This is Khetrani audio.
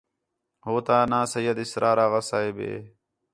ہو تا ناں سید اسرار آغا صاحب ہے